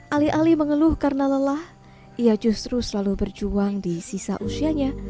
alih alih mengeluh karena lelah ia justru selalu berjuang di sisa usianya